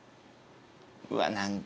うわっ何か。